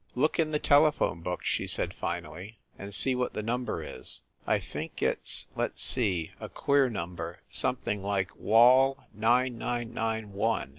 "Look in the telephone book," she said finally, "and see what the number is. I think it s let s see a queer num ber something like Wall nine, nine, nine, one.